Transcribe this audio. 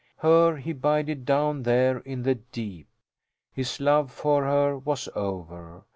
Her he bided down there in the deep. His love for her was over.